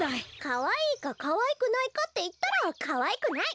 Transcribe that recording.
かわいいかかわいくないかっていったらかわいくない！